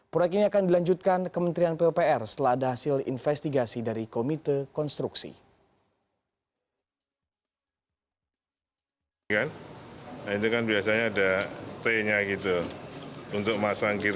proyek ini akan dilanjutkan kementerian pupr setelah ada hasil investigasi dari komite konstruksi